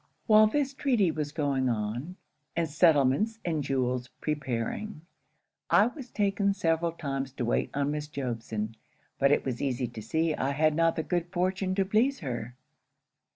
While this treaty was going on, and settlements and jewels preparing, I was taken several times to wait on Miss Jobson: but it was easy to see I had not the good fortune to please her.